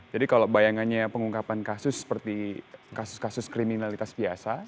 jadi kalau bayangannya pengungkapan kasus seperti kasus kasus kriminalitas biasa